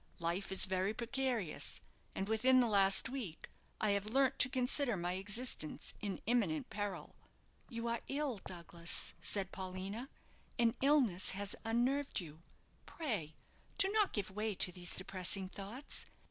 "Life is very precarious, and within the last week I have learnt to consider my existence in imminent peril." "You are ill, Douglas," said Paulina; "and illness has unnerved you. Pray do not give way to these depressing thoughts.